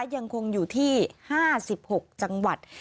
ยังคงอยู่ที่๕๖จังหวัด